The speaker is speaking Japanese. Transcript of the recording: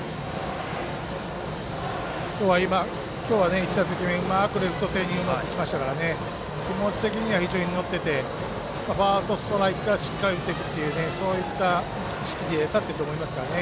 今日は１打席目うまくレフト線に打ちましたから気持ち的には非常に乗っていてファーストストライクから振っていくというそういった意識で入れましたね。